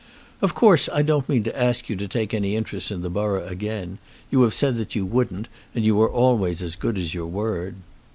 "Of course I don't mean to ask you to take any interest in the borough again. You have said that you wouldn't, and you are always as good as your word."